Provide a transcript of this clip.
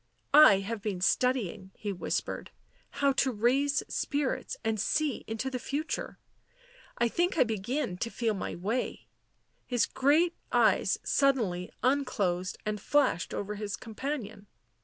" I have been studying," he whis pered, " how to raise spirits and see into the future — I think I begin to feel my way his great eyes sud denly unclosed and flashed over his companion.